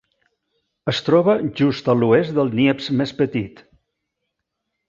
Es troba just a l'oest del Niepce més petit.